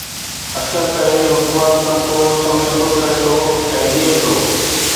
اڪثر ڪري حڪمران طبقو سمجھوتو ڪري ٿو ۽ ڏئي ٿو.